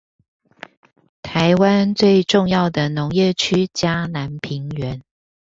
台灣最重要的農業區嘉南平原